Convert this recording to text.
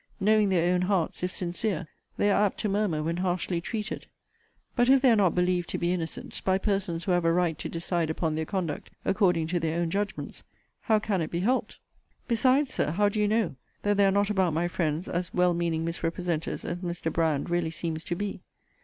Knowing their own hearts, if sincere, they are apt to murmur when harshly treated: But, if they are not believed to be innocent, by persons who have a right to decide upon their conduct according to their own judgments, how can it be helped? Besides, Sir, how do you know, that there are not about my friends as well meaning misrepresenters as Mr. Brand really seems to be?